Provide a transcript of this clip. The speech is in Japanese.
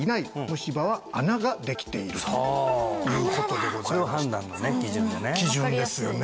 むし歯は「穴ができている」と穴だこれを判断のね基準でね